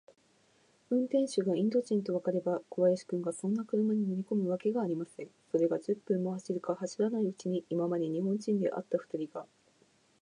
運転手がインド人とわかれば、小林君がそんな車に乗りこむわけがありません。それが、十分も走るか走らないうちに、今まで日本人であったふたりが、